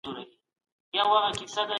موږ په بې ګټې شیانو بوخت یو.